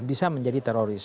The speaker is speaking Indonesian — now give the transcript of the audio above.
bisa menjadi teroris